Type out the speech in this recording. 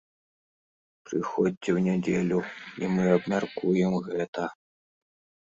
Прыходзьце ў нядзелю, і мы абмяркуем гэта!